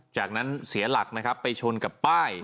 จากนั้นเสียหลักนะครับไปชนกับป้าย